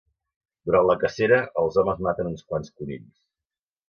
Durant la cacera, els homes maten uns quants conills.